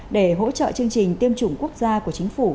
để hỗ trợ chương trình tiêm chủng quốc gia của chính phủ